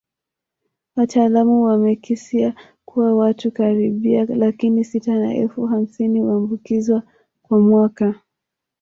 Wataalamu wamekisia kuwa watu karibia laki sita na elfu hamsini huambukizwa kwa mwaka